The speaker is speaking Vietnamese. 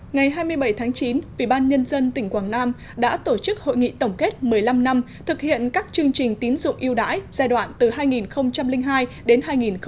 ngày hai mươi bảy tháng chín ubnd tỉnh quảng nam đã tổ chức hội nghị tổng kết một mươi năm năm thực hiện các chương trình tín dụng yêu đãi giai đoạn từ hai nghìn hai đến hai nghìn một mươi